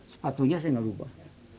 sepatunya saya nggak mau ubah